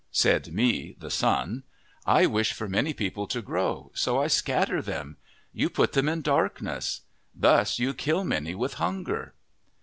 Said Mi, the Sun :" I wish for many people to grow, so I scatter them. You put them in darkness ; thus you kill many with hunger."